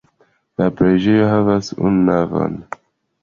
La preĝejo havas unu navon.